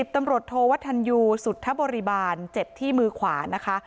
ตำรวจโทวัฒนยูสุทธบริบาลเจ็บที่มือขวานะคะ